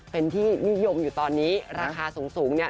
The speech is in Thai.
เป็นที่นิยมอยู่ตอนนี้ราคาสูงเนี่ย